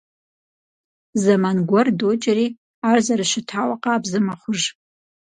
Зэман гуэр докӀри, ар зэрыщытауэ къабзэ мэхъуж.